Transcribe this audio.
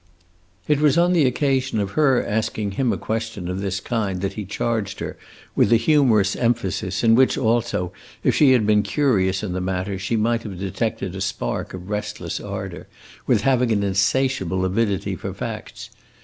It was on the occasion of her asking him a question of this kind that he charged her, with a humorous emphasis in which, also, if she had been curious in the matter, she might have detected a spark of restless ardor, with having an insatiable avidity for facts.